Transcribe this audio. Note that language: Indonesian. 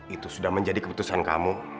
itu sudah menjadi keputusan kamu